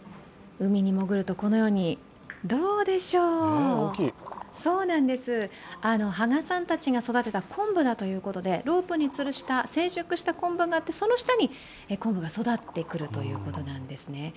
海に潜るとこのように、どうでしょう、芳賀さんたちが育てた昆布だということでロープにつるした成熟した昆布があって、その下に、昆布が育ってくるということなんですね。